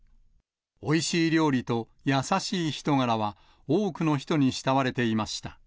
おいしい料理と優しい人柄は、多くの人に慕われていました。